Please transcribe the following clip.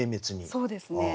そうですね。